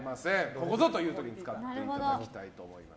ここぞという時に使っていただきたいと思います。